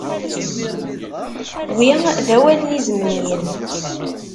Wi d awalen izemniyen.